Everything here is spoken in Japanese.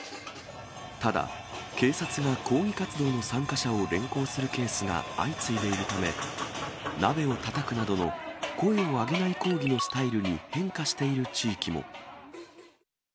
ただ、警察が抗議活動の参加者を連行するケースが相次いでいるため、鍋をたたくなどの声を上げない抗議のスタイルに変化している地域も。